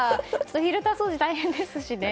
フィルター掃除、大変ですしね。